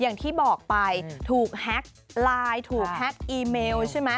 อย่างที่บอกไปถูกแฮ็กไลน์ถูกแฮ็กอีเมลใช่ไหม